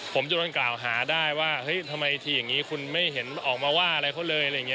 ผมจนกล่าวหาได้ว่าทำไมทีอย่างนี้คุณไม่เห็นออกมาว่าอะไรเขาเลย